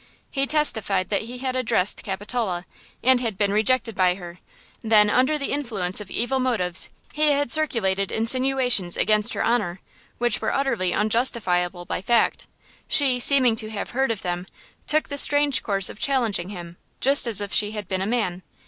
He testified that he had addressed Capitola, and had been rejected by her; then, under the influence of evil motives, he had circulated insinuations against her honor, which were utterly unjustifiable by fact; she, seeming to have heard of them, took the strange course of challenging him–just as if she had been a man.